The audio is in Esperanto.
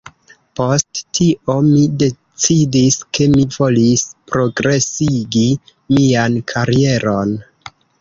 Post tio, mi decidis, ke mi volis progresigi mian karieron